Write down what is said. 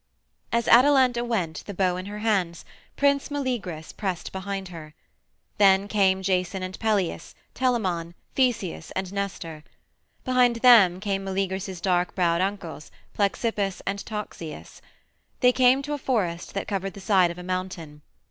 II As Atalanta went, the bow in her hands, Prince Meleagrus pressed behind her. Then came Jason and Peleus, Telamon, Theseus and Nestor. Behind them came Meleagrus's dark browed uncles, Plexippus and Toxeus. They came to a forest that covered the side of a mountain.